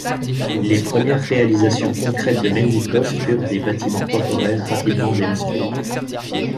Les premières réalisations concrètes de Melnikov furent des bâtiments temporaires rapidement démontés.